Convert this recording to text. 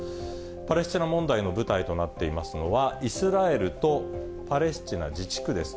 パレスチナ問題の舞台となっていますのは、イスラエルとパレスチナ自治区です。